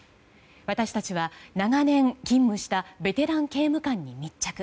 私たちは長年勤務したベテラン刑務官に密着。